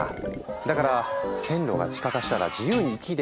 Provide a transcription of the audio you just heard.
だから「線路が地下化したら自由に行き来できる！